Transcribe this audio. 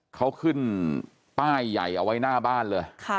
เขาขึ้นป้ายใหญ่เอาไว้หน้าบ้านเลย